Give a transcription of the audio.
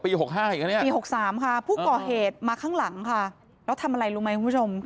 ปี๖๓คะภูเป่าเหตุมาข้างหลังค่าแล้วทำอะไรรู้ไหมคุณผู้ชม